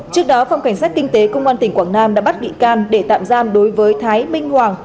trước đó phòng cảnh sát kinh tế công an tỉnh quảng nam đã bắt bị can để tạm giam đối với thái minh hoàng